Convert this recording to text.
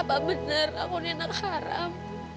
apa bener aku ini anak haram